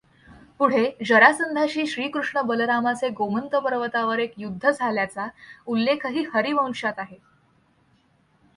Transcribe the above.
पुढे जरासंधाशी श्रीकृष्ण बलरामाचे गोमंत पर्वतावर एक युध्द झाल्याचा उल्लेखही हरिवंशात आहे.